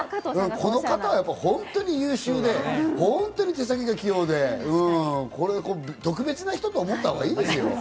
この方は本当に優秀で、本当に手先が器用で、特別な人と思ったほうがいいですよ。